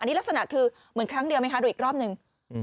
นี่ลักษณะคือเหมือนครั้งเดียวไหมคะดูอีกรอบหนึ่ง